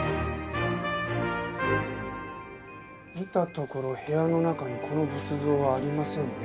見たところ部屋の中にこの仏像はありませんね。